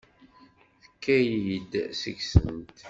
Tekka-yi-d seg-sent.